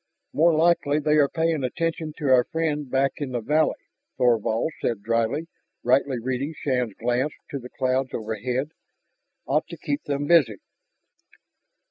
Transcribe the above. "More likely they are paying attention to our friend back in the valley," Thorvald said dryly, rightly reading Shann's glance to the clouds overhead. "Ought to keep them busy."